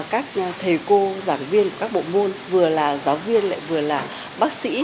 các thầy cô giảng viên của các bộ môn vừa là giáo viên lại vừa là bác sĩ